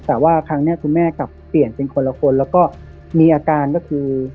แต่ว่าครั้งนี้คุณแม่กลับเปลี่ยนเป็นคนละคนแล้วก็มีอาการก็คือ